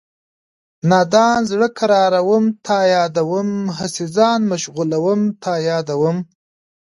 نادان زړه قراروم تا یادوم هسې ځان مشغولوم تا یادوم